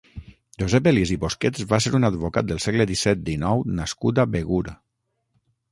Josep Elies i Bosquets va ser un advocat del segle disset-dinou nascut a Begur.